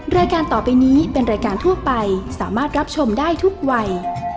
รายการต่อไปนี้เป็นรายการทั่วไปสามารถรับชมได้ทุกวัย